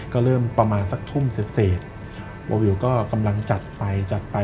ก็เริ่มประมาณสักทุ่มเสร็จโววิวก็กำลังจัดไฟจัดไป